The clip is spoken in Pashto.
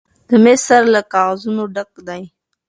د میز سر له کاغذونو ډک دی.